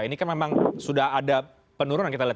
ini kan memang sudah ada penurunan kita lihat